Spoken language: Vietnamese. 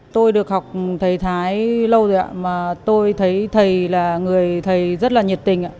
tôi được học thầy thái lâu rồi ạ mà tôi thấy thầy là người thầy rất là nhiệt tình